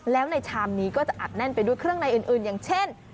แล้วในชามนี้ก็จะอัดแน่นไปด้วยเครื่องในอื่นอย่างเช่น